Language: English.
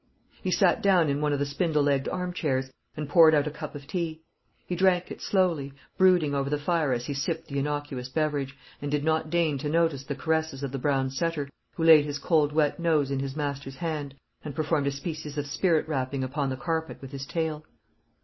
He sat down in one of the spindle legged arm chairs, and poured out a cup of tea. He drank it slowly, brooding over the fire as he sipped the innocuous beverage, and did not deign to notice the caresses of the brown setter, who laid his cold wet nose in his master's hand, and performed a species of spirit rapping upon the carpet with his tail.